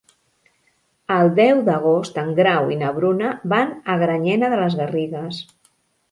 El deu d'agost en Grau i na Bruna van a Granyena de les Garrigues.